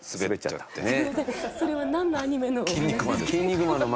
それはなんのアニメの？